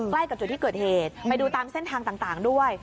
ใกล้กับจุดที่เกิดเหตุไปดูตามเส้นทางต่างด้วย